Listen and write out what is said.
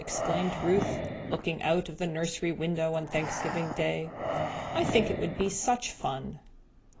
exclaimed Ruth, looking out of the nursery window on Thanksgiving Day, "I think it would be such fun!"